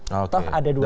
atau ada dua kali debat